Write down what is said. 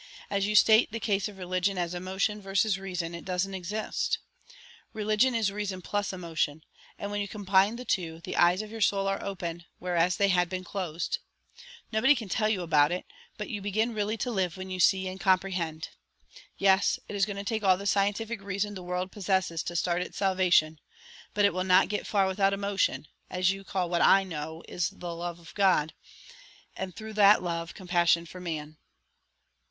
"As you state the case of religion as emotion versus reason, it doesn't exist. Religion is reason plus emotion, and when you combine the two the eyes of your soul are open, whereas they had been closed. Nobody can tell you about it, but you begin really to live when you see and comprehend. Yes, it is going to take all the scientific reason the world possesses to start its salvation, but it will not get far without 'emotion,' as you call what I know is love of God, and, through that love, compassion for man."